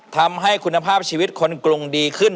ทำให้คุณภาพชีวิตคนกรุงดีขึ้น